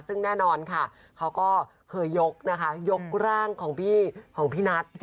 ซึ่งแน่นอนนะคะเขาก็เคยยกนะคะยกร่างไอภรรยาของนัท